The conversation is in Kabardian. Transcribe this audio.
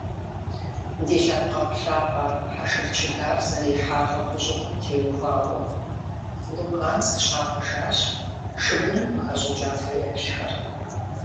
Ди лъэпкъэгъу лъапӀэ Хьэшыр Чылар зэрихьа лӀыхъужьыгъэм теухуауэ Луганск щагъэжащ шыгуным къыхэщӀыкӀа фэеплъхэр.